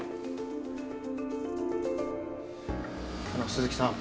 鈴木さん